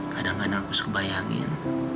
kadang kadang aku suka bayangin